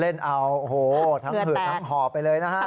เล่นเอาทั้งหื่นทั้งห่อไปเลยนะครับ